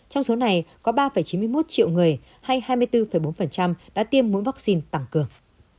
trong số này có ba chín mươi một triệu người hay hai mươi bốn bốn đã tiêm mũi vaccine tăng cường